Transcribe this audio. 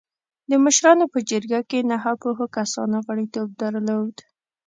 د مشرانو په جرګه کې نهه پوهو کسانو غړیتوب درلوده.